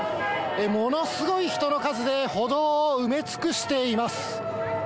ものすごい人の数で、歩道を埋め尽くしています。